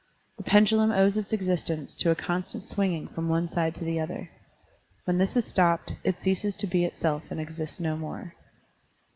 The pendultun owes its existence to a constant swinging from one side to the other. When this is stopped, it ceases to be itself and exists no more.